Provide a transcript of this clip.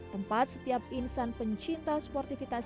tempat setiap insan pencinta sportivitas